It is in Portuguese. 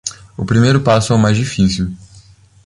O primeiro passo é o mais difícil.